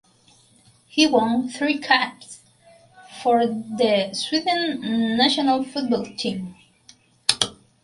He won three caps for the Sweden national football team.